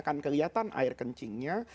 kan kelihatan air kencingnya